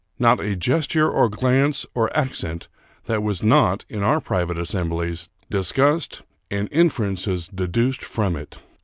Not a gesture, or glance, or ac cent, that was not, in our private assemblies, discussed, and inferences deduced from it.